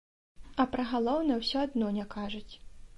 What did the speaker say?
А пра галоўнае ўсё адно не кажуць.